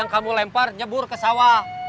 yang kamu lempar nyebur kesawah